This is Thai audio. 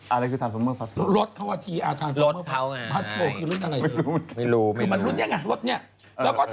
อะไรคือทรานฟอร์เมอร์พลาสโปร์